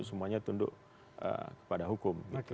semuanya tunduk kepada hukum